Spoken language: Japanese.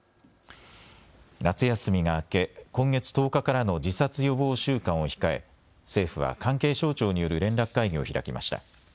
夏休みが明け、今月１０日からの自殺予防週間を控え、政府は関係省庁による連絡会議を開きました。